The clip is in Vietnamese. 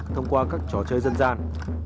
thông qua các trò chơi dân gian